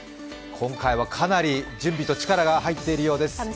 今回はかなり準備と力が入っているようです。